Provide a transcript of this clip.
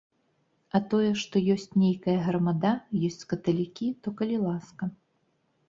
А тое, што ёсць нейкая грамада, ёсць каталікі, то калі ласка.